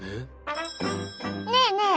ねえねえ